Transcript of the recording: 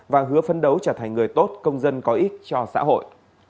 và hứa phân đấu trở thành người tốt công dân có ích cho xã hội